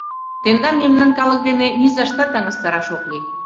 Тендам мемнан калык дене низаштат таҥастараш ок лий.